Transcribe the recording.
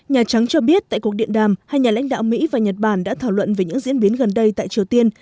nhà trắng cho biết tại cuộc điện đàm hai nhà lãnh đạo mỹ và nhật bản đã thảo luận về những diễn biến gần đây tại triều tiên